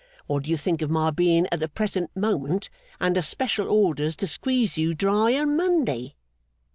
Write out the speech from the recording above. What do you think of my being, at the present moment, under special orders to squeeze you dry on Monday?